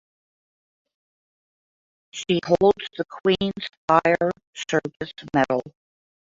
She holds the Queen's Fire Service Medal.